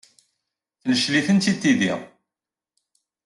Tencel-itent-id tidi.